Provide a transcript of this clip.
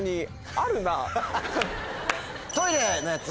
トイレのやつ？